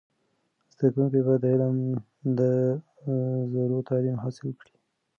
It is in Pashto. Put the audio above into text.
زده کوونکي باید د علم د زرو تعلیم حاصل کړي.